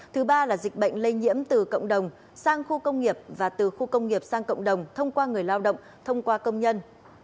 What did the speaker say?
thứ ba là dịch bệnh lây nhiễm từ cộng đồng sang khu công nghiệp và từ khu công nghiệp sang cộng đồng thông qua người lao động thông qua công nhân